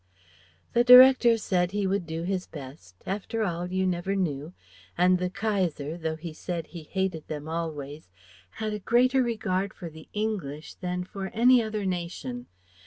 The Director said he would do his best. After all, you never knew; and the Kaiser, though he said he hated them always, had a greater regard for the English than for any other nation.